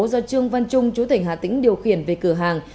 do trương văn trung chú tỉnh hà tĩnh điều khiển về cửa hàng